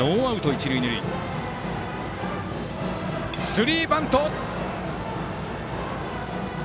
スリーバント！